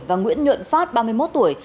và nguyễn nhuận phát ba mươi một tuổi